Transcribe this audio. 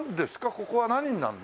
ここは何になるの？